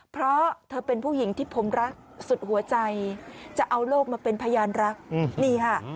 เพราะเธอเป็นผู้หญิงที่ผมรักสุดหัวใจจะเอาโลกมาเป็นพยานรักนี่ค่ะ